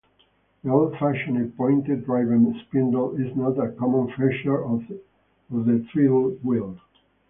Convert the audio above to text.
The old-fashioned pointed driven spindle is not a common feature of the treadle wheel.